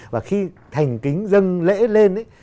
và khi thành kính dâng lễ lên ấy